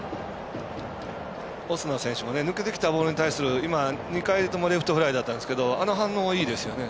オスナ選手も抜けてきたボールに対する今、２回ともレフトフライだったんですけどあの反応いいですよね。